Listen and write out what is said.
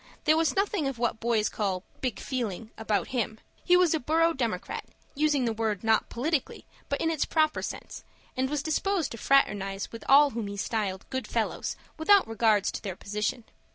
There was nothing of what boys call "big feeling" about him. He was a borough democrat, using the word not politically, but in its proper sense, and was disposed to fraternize with all whom he styled "good fellows," without regard to their position.